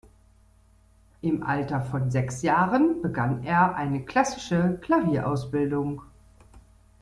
Im Alter von sechs Jahren begann er eine klassische Klavierausbildung.